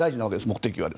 目的は。